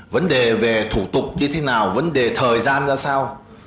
vấn đề về thủ tục như thế nào vấn đề thời gian ra sao